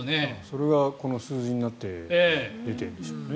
それがこの数字になって出てるんでしょうね。